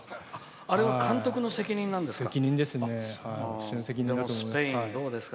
あれは監督の責任なんですか？